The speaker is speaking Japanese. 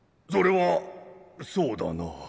それはそうだなえっと